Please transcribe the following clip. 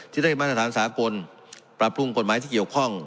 ที่ได้มาตรฐานสากลปรับปรุงกฎหมายที่เกี่ยวข้อง